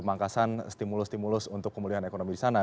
mangkasan stimulus stimulus untuk kemuliaan ekonomi di sana